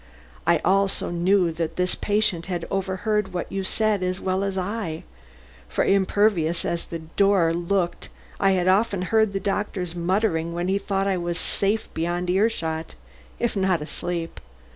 I also knew that this patient had overheard what you said as well as I, for impervious as the door looked I had often heard the doctor's mutterings when he thought I was safe beyond ear shot, if not asleep.